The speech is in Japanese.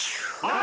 あ！